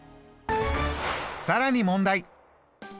さらに問題。